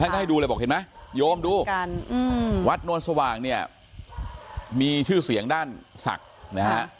ก็ให้ดูเลยบอกเห็นไหมโยมดูกันวัดนวลสว่างเนี่ยมีชื่อเสียงด้านศักดิ์นะฮะ